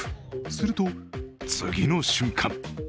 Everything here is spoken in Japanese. すると次の瞬間